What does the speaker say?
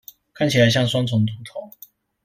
看起來像雙重禿頭